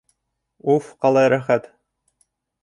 Уф, ҡалай рәхәт.